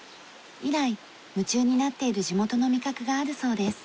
以来夢中になっている地元の味覚があるそうです。